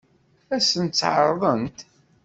Ad sen-tt-ɛeṛḍent?